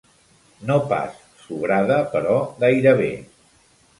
No pas sobrada, però gairebé.